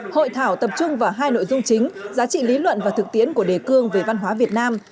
hội thảo tập trung vào hai nội dung chính giá trị lý luận và thực tiễn của đề cương về văn hóa việt nam